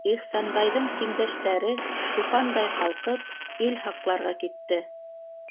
Ихсанбайҙың тиңдәштәре, туфандай ҡалҡып, ил һаҡларға китте.